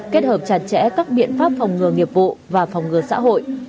kết hợp chặt chẽ các biện pháp phòng ngừa nghiệp vụ và phòng ngừa xã hội